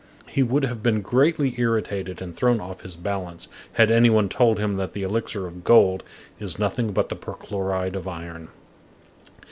He would have been greatly irritated and thrown off his balance, had any one told him that the elixir of gold is nothing but the perchloride of iron.